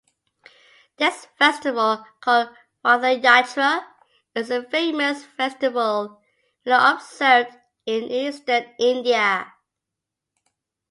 This festival, called Ratha Yatra, is a famous festival mainly observed in Eastern India.